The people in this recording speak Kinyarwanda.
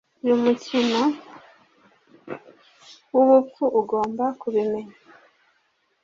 uyu mukino wubupfu ugomba kubimenya